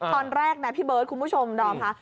ตอนแรกนะพี่เบิร์ดคุณผู้ชมดอมค่ะ